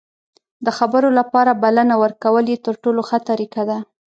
د خبرو لپاره بلنه ورکول یې تر ټولو ښه طریقه ده.